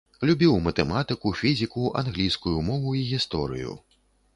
Любіў матэматыку, фізіку, англійскую мову і гісторыю.